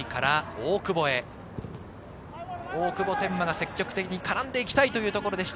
大久保天満が積極的に絡んで行きたいところでした。